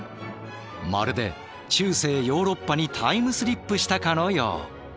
まるで中世ヨーロッパにタイムスリップしたかのよう。